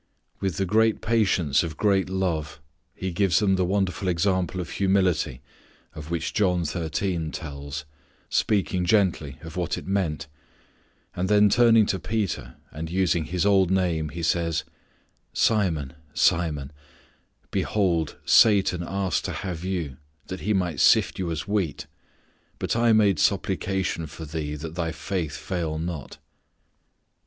With the great patience of great love He gives them the wonderful example of humility of which John thirteen tells, speaking gently of what it meant, and then turning to Peter, and using his old name, He says, "Simon, Simon, behold Satan asked to have you that he might sift you as wheat, but I made supplication for thee that thy faith fail not."